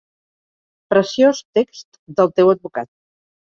Preciós text del teu advocat.